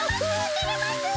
てれます！